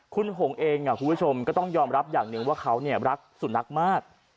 คุณหงเองคุณผู้ชมก็ต้องยอมรับอย่างหนึ่งว่าเขารักสุนัขมาก